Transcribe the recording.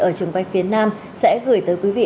ở trường quay phía nam sẽ gửi tới quý vị